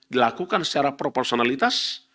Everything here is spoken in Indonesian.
dilakukan secara proporsionalitas